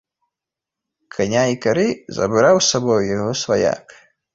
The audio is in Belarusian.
Каня і кары забраў з сабою яго сваяк.